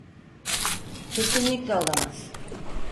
Kesinlikle olamaz.